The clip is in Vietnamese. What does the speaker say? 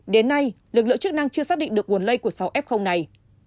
đến nay lực lượng chức năng chưa xác định được nguồn lây của sáu f này